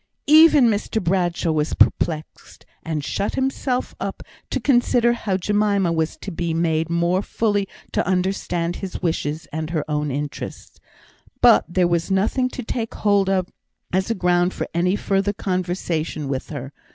Even Mr Bradshaw was perplexed, and shut himself up to consider how Jemima was to be made more fully to understand his wishes and her own interests. But there was nothing to take hold of as a ground for any further conversation with her.